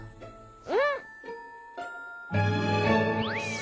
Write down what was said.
うん！